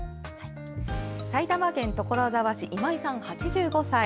埼玉県所沢市の今井さんｍ８５歳。